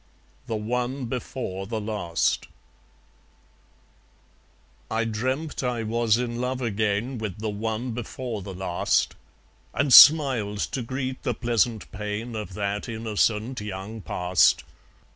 The One Before the Last I dreamt I was in love again With the One Before the Last, And smiled to greet the pleasant pain Of that innocent young past.